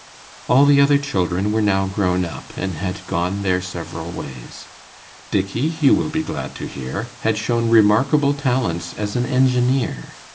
All the other children were now grown up, and had gone their several ways. Dickey, you will be glad to hear, had shown remarkable talents as an engineer.